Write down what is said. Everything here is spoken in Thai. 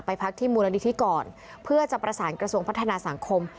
พักที่มูลนิธิก่อนเพื่อจะประสานกระทรวงพัฒนาสังคม